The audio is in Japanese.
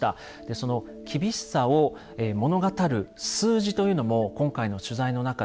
その厳しさを物語る数字というのも今回の取材の中で見えてきました。